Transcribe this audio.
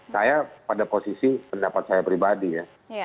saya pada posisi pendapat saya pribadi ya